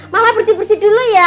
malah bersih bersih dulu ya